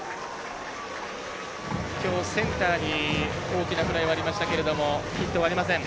きょう、センターに大きなフライはありましたけどもヒットはありません。